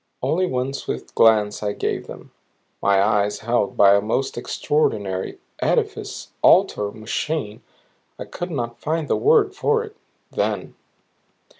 Only one swift glance I gave them, my eyes held by a most extraordinary edifice altar machine I could not find the word for it then.